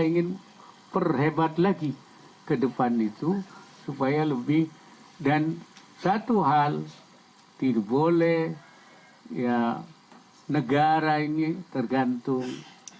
saya ingin perhebat lagi ke depan itu supaya lebih dan satu hal tidak boleh ya negara ini tergantung